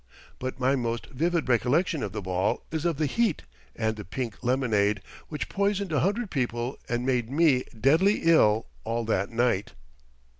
But my most vivid recollection of the ball is of the heat and the pink lemonade, which poisoned a hundred people and made me deadly ill all that night.